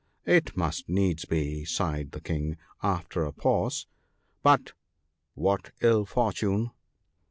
* It must needs be,' sighed the King, after a pause ;' but what ill fortune